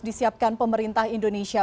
disiapkan pemerintah indonesia